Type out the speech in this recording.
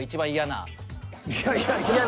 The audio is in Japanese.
いやいやいや。